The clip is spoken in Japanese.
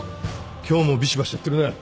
今日もビシバシやってるねぇ。